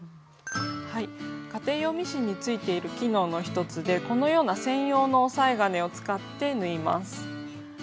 家庭用ミシンについている機能の一つでこのような専用の押さえ金を使って縫います。